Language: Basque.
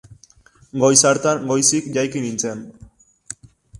Goiz hartan goizik jaiki nintzen!